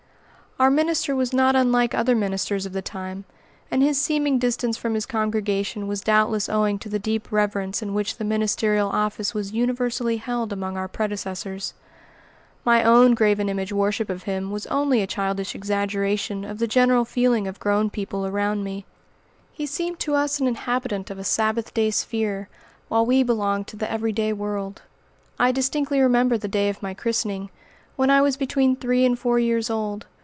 Our minister was not unlike other ministers of the time, and his seeming distance from his congregation was doubtless owing to the deep reverence in which the ministerial office was universally held among our predecessors. My own graven image worship of him was only a childish exaggeration of the general feeling of grown people around me. He seemed to us an inhabitant of a Sabbath day sphere, while we belonged to the every day world. I distinctly remember the day of my christening, when I was between three and four years old.